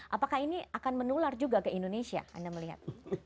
apakah ini akan menular juga ke indonesia anda melihat